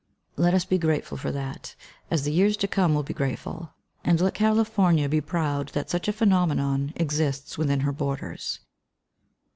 Let us be grateful for that, as the years to come will be grateful. And let California be proud that such a phenomenon exists within her borders.